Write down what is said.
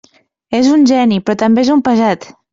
És un geni, però també és un pesat.